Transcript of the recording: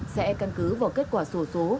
sẽ căn cứ vào kết quả sổ số